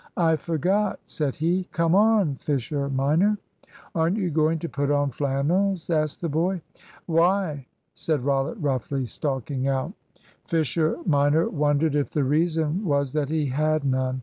"I forgot," said he; "come on, Fisher minor." "Aren't you going to put on flannels?" asked the boy. "Why!" said Rollitt roughly, stalking out. Fisher minor wondered if the reason was that he had none.